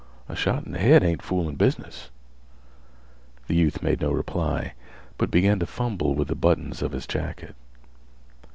A shot in th' head ain't foolin' business." The youth made no reply, but began to fumble with the buttons of his jacket.